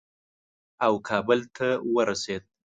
او کابل ته ورسېد.